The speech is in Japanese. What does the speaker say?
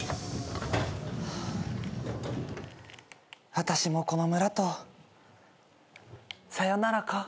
あたしもこの村とさよならか。